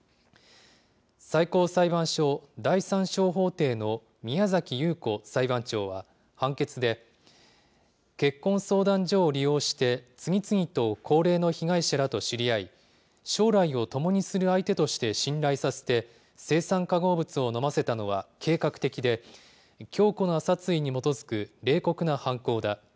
最高裁判所第３小法廷の宮崎裕子裁判長は、判決で、結婚相談所を利用して、次々と高齢の被害者らと知り合い、将来をともにする相手として信頼させて、青酸化合物を飲ませたのは計画的で、強固な殺意に基づく冷酷な犯行だ。